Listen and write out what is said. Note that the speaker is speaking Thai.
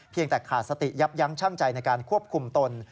แต่ขาดสติยับยั้งชั่งใจในการควบคุมตน